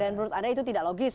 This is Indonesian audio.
dan menurut anda itu tidak logis